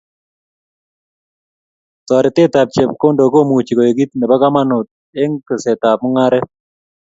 Toretetab chepkondok komuchi koek kit nebo kamanut eng' tesetab mung'aret